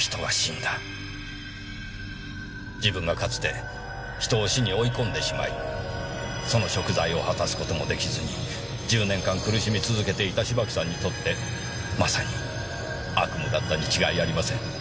自分がかつて人を死に追い込んでしまいその贖罪を果たす事もできずに１０年間苦しみ続けていた芝木さんにとってまさに悪夢だったに違いありません。